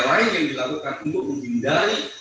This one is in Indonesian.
lain yang dilakukan untuk menghindari